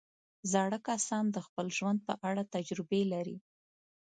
زاړه کسان د خپل ژوند په اړه تجربې لري